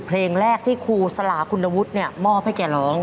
เพลงแรกที่ครูสลาคุณวุฒิเนี่ยมอบให้แกร้อง